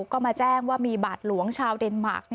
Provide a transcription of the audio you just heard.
ก็มาแจ้งว่ามีบาทหลวงชาวเดนมาร์ค